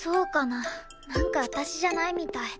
なんか私じゃないみたい。